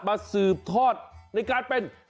สืบทอดในการเป็น